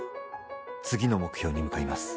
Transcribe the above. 「次の目標に向かいます」